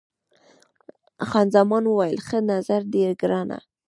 خان زمان وویل، ښه نظر دی ګرانه.